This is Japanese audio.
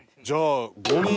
じゃあ。